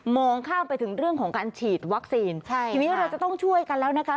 ข้ามไปถึงเรื่องของการฉีดวัคซีนใช่ทีนี้เราจะต้องช่วยกันแล้วนะคะ